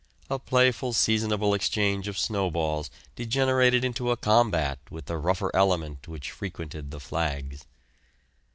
A playful seasonable exchange of snowballs degenerated into a combat with the rougher element which frequented the "flags."